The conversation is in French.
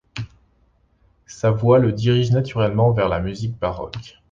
Sa voix le dirige naturellement vers la musique baroque.